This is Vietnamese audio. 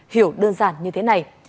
hiểu đơn giản như thế này